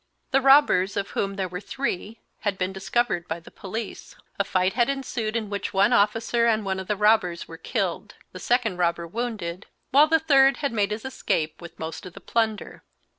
The robbers, of whom there were three, had been discovered by the police. A fight had ensued in which one officer and one of the robbers were killed, the second robber wounded, while the third had made his escape with most of the plunder.